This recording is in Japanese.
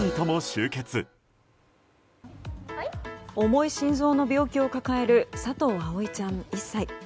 重い心臓の病気を抱える佐藤葵ちゃん、１歳。